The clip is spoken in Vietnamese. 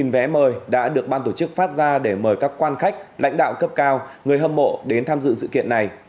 vé mời đã được ban tổ chức phát ra để mời các quan khách lãnh đạo cấp cao người hâm mộ đến tham dự sự kiện này